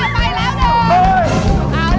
ไปแล้วหนึ่ง